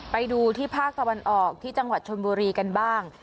ไปดูที่ภาคตะวันออกที่จังหวัดชนบุรีกันบ้าง